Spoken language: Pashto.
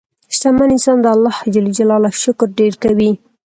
شتمن انسان د الله شکر ډېر کوي.